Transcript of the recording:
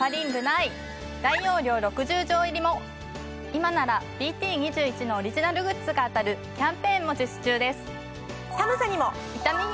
今ならＢＴ２１のオリジナルグッズが当たるキャンペーンも実施中です。